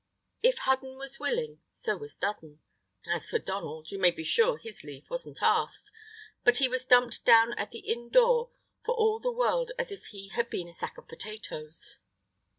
If Hudden was willing, so was Dudden. As for Donald, you may be sure his leave wasn't asked, but he was dumped down at the inn door for all the world as if he had been a sack of potatoes.